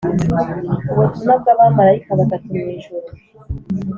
Ubutumwa bw’abamarayika batatu mu ijuru